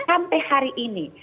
sampai hari ini